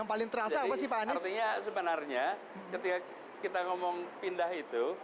artinya sebenarnya ketika kita ngomong pindah itu